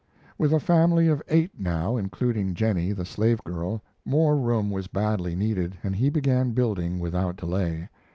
With a family of eight, now, including Jennie, the slavegirl, more room was badly needed, and he began building without delay.